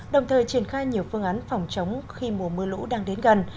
đồng thời triển khai nhiều phương án phòng chống khi mùa mưa lũ đang đến gần